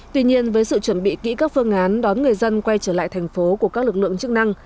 tuy nhiên với sự chuẩn bị kỹ các phương án đón người dân quay trở lại thành phố của các lực lượng chức năng